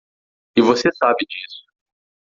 E você sabe disso.